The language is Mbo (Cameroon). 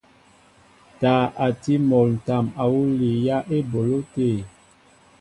Taa a tí mol ǹtam awǔ líyá eboló te.